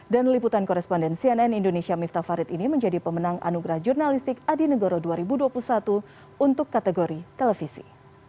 dan liputan koresponden cnn indonesia miftah farid ini menjadi pemenang anugerah jurnalistik adi negoro dua ribu dua puluh satu untuk kategori televisi